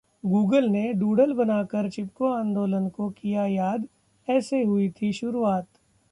Google ने doodle बनाकर ‘चिपको आंदोलन’ को किया याद, ऐसे हुई थी शुरुआत